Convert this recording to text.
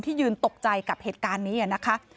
ยืนตกใจกับเหตุการณ์นี้นะคะ